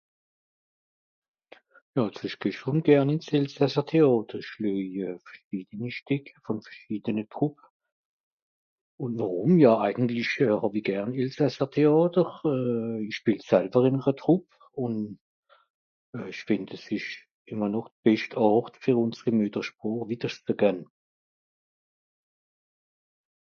ja àlso ich geh schon gärn in s Elsässertheàter. Ich löj veschiedeni Stüeck von veschiedene Troupes. Un wàrùm, ja eigentlich hàw i gärn Elsässertheàter euh ich spiel sälwer in ere Troupe ùn euh ich fìnd es ìsch immer noch d bescht Àrt, fer ùnseri Muetersproch widderscht ze gän.